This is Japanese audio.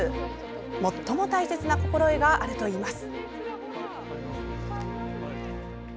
最も大切な心得があるといいます。